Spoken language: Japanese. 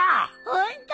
ホント！？